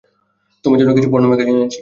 তোমার জন্য কিছু পর্নো ম্যাগাজিন এনেছি।